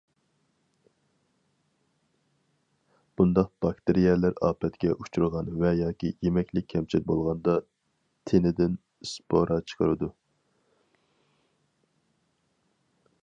بۇنداق باكتېرىيەلەر ئاپەتكە ئۇچرىغان ۋە ياكى يېمەكلىك كەمچىل بولغاندا، تېنىدىن ئىسپورا چىقىرىدۇ.